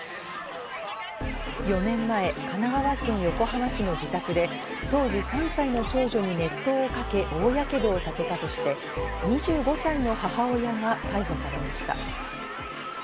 ４年前、神奈川県横浜市の自宅で当時３歳の長女に熱湯をかけ、大やけどをさせたとして２５歳の母親が逮捕されました。